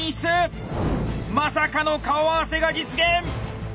まさかの顔合わせが実現！